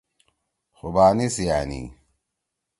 خوبانی سی أنی۔